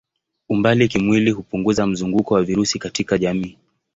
Umbali kimwili hupunguza mzunguko wa virusi katika jamii.